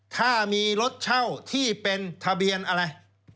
ถ้ามีรถเช่าที่เป็นทะเบียนอะไร